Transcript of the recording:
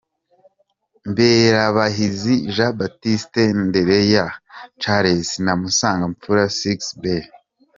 Mberabahizi Jean Baptiste, Ndereyehe Charles na Musangamfura Sixbert.